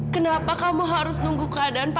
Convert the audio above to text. kenapa kamu harus nunggu keadaan